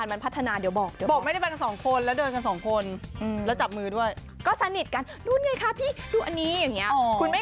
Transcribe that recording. แต่หนุ่มเด็มที่บอกแล้วว่าไม่ได้ปิดบังนะ